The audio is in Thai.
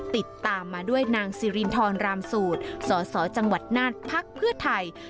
ติดตามมาด้วยนางสิรินทรรามสูตรสสจังหวัดน่านพักเพื่อไทย